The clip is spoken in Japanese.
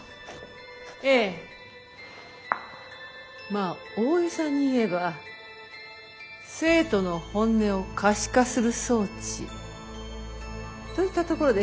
まあ大げさに言えば生徒の本音を可視化する装置といったところでしょうか。